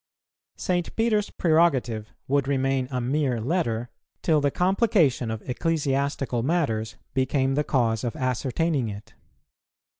St. Peter's prerogative would remain a mere letter, till the complication of ecclesiastical matters became the cause of ascertaining it.